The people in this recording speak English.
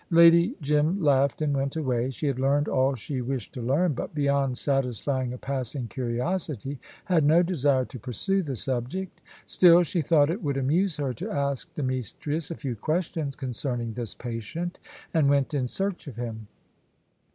Lady Jim laughed, and went away. She had learned all she wished to learn, but, beyond satisfying a passing curiosity, had no desire to pursue the subject. Still, she thought it would amuse her to ask Demetrius a few questions concerning this patient, and went in search of him.